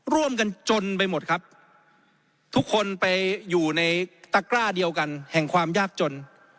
ร่วมกันจนไปหมดครับทุกคนไปอยู่ในตะกร้าเดียวกันแห่งความยากจน